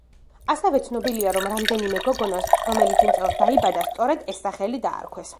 ასევე ცნობილია, რომ რამდენიმე გოგონას, რომელიც იმ წელს დაიბადა, სწორედ ეს სახელი დაარქვეს.